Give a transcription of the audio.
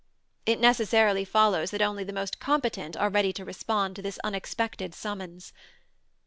It necessarily follows that only the most competent are ready to respond to this unexpected summons.